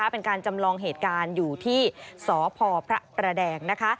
เป็นการจำลองเหตุการณ์อยู่ที่สพพระประแดงนะคะ